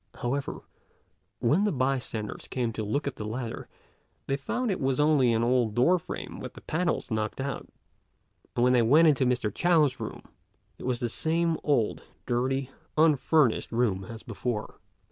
However, when the bystanders came to look at the ladder, they found it was only an old door frame with the panels knocked out; and when they went into Mr. Chao's room, it was the same old, dirty, unfurnished room as before.